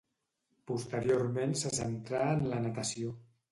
Posteriorment se centrà en la natació.